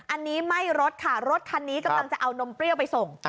อันนี้ไม่รสค่ะรถคันนี้กำลังจะเอานมเปรี้ยวไปส่ง